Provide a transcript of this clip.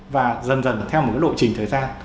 và dần dần theo một cái lộ trình thời gian